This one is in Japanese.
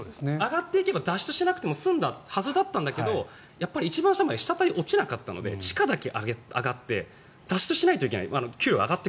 上がっていけば脱出できたはずだったんだけどやっぱり一番下まで滴り落ちなかったので地価だけ上がって脱出しないといけない。